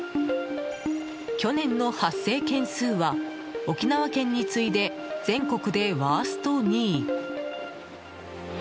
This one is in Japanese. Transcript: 去年の発生件数は沖縄県に次いで全国でワースト２位。